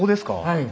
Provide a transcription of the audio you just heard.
はい。